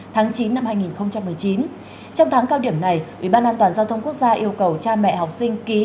trong tháng cao điểm này quỹ ban an toàn giao thông quốc gia yêu cầu cha mẹ học sinh ký